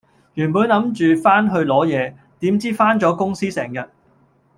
原本諗住返去攞嘢，點知返咗公司成日